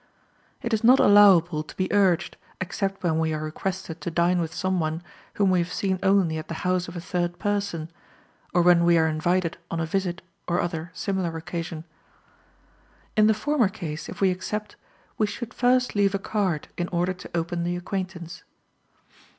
It is not allowable to be urged, except when we are requested to dine with someone whom we have seen only at the house of a third person, or when we are invited on a visit or other similar occasion. In the former case, if we accept, we should first leave a card in order to open the acquaintance.